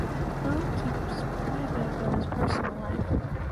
Baugh keeps private about his personal life.